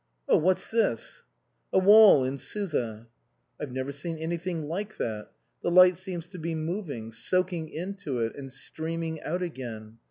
"Oh, what's this?" " A wall in Suza." " I've never seen anything like that. The light seems to be moving soaking into it and streaming out again.